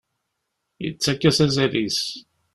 Yettak-as azal-is.